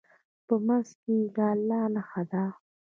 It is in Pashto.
په منځ کې یې د الله نښه ده.